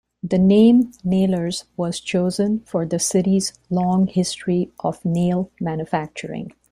The name "Nailers" was chosen for the city's long history of nail manufacturing.